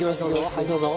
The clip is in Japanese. はいどうぞ。